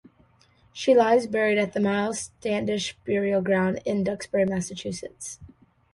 She lies buried at the Miles Standish Burial Ground in Duxbury, Massachusetts.